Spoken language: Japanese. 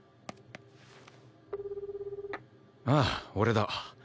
ああ俺だ。